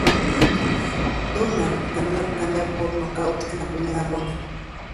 McDonald ganó la pelea por nocaut en la primera ronda.